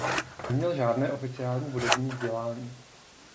Neměl žádné oficiální hudební vzdělání.